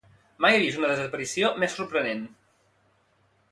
Mai he vist una desaparició més sorprenent.